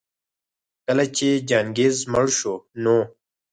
کله چي چنګېز مړ شو نو